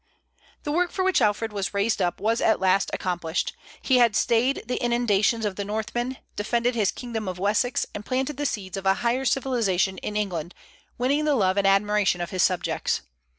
The work for which Alfred was raised up was at last accomplished. He had stayed the inundations of the Northmen, defended his kingdom of Wessex, and planted the seeds of a higher civilization in England, winning the love and admiration of his subjects.